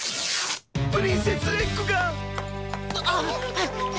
プリンセスエッグが！